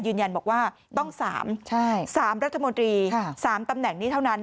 ยืนยันบอกว่าต้อง๓๓รัฐมนตรี๓ตำแหน่งนี้เท่านั้น